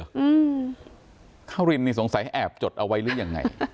อืมคารินนี่สงสัยแอบจดเอาไว้หรือยังไง